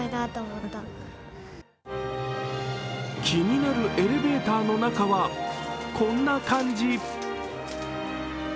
気になるエレベーターの中はこんな感じ。